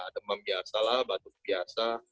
demam biasa lah batuk biasa